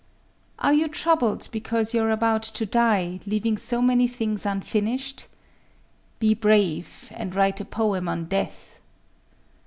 Are you troubled because you are about to die, leaving so many things unfinished?—be brave, and write a poem on death!